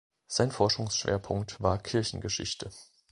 Sein Forschungsschwerpunkt war Kirchengeschichte.